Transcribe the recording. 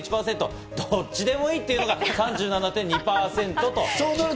どっちでもいいというのが３７．２％。